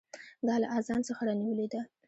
دا له اذان څخه رانیولې ده.